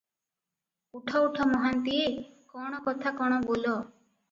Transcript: ଉଠ ଉଠ ମହାନ୍ତିଏ, କଣ କଥା କଣ ବୋଲ ।"